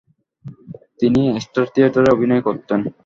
তিনি স্টার থিয়েটারে অভিনয় করতেন।